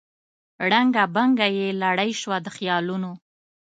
ړنګه بنګه یې لړۍ سوه د خیالونو